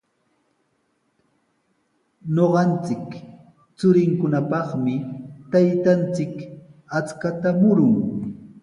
Ñuqanchik churinkunapaqmi taytanchik achkata murun.